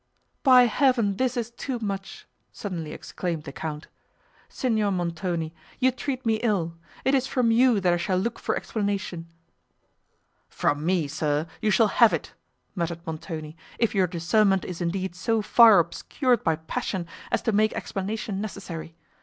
"By Heaven this is too much!" suddenly exclaimed the Count; "Signor Montoni, you treat me ill; it is from you that I shall look for explanation." "From me, sir! you shall have it;" muttered Montoni, "if your discernment is indeed so far obscured by passion, as to make explanation necessary.